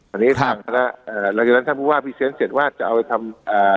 ตอนนี้ทางคณะเอ่อหลังจากนั้นท่านผู้ว่าพรีเซนต์เสร็จว่าจะเอาไปทำอ่า